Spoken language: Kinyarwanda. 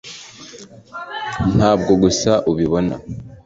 ntabwo gusa ubibona